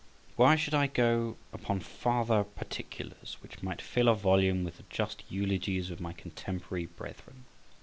Why should I go upon farther particulars, which might fill a volume with the just eulogies of my contemporary brethren?